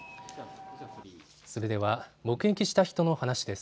それでは目撃した人の話です。